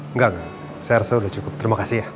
enggak enggak saya rasa sudah cukup terima kasih ya